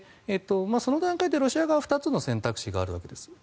その段階でロシア側は２つの選択肢があるわけです。